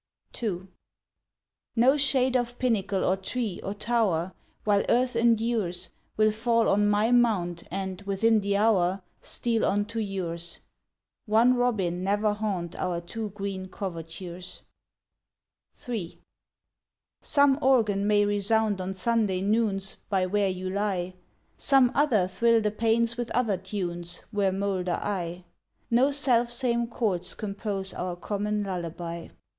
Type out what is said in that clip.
II No shade of pinnacle or tree or tower, While earth endures, Will fall on my mound and within the hour Steal on to yours; One robin never haunt our two green covertures. III Some organ may resound on Sunday noons By where you lie, Some other thrill the panes with other tunes Where moulder I; No selfsame chords compose our common lullaby.